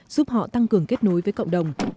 giúp họ tăng cường kết nối với cộng đồng